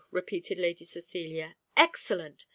repeated Lady Cecilia, "excellent!"